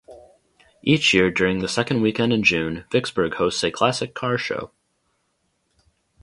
Each year during the second weekend in June, Vicksburg hosts a classic car show.